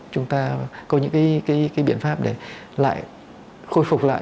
chúng ta có những cái biện pháp để lại khôi phục lại